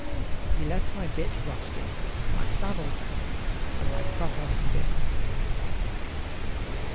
He left my bit rusty, my saddle damp, and my crupper stiff.